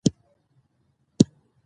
افغانستان په دغه سلیمان غر تکیه لري.